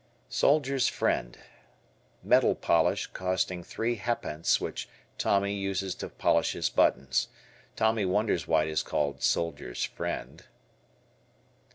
"Soldiers' Friend." Metal polish costing three ha' pence which Tommy uses to polish his buttons. Tommy wonders why it is called "Soldiers' Friend."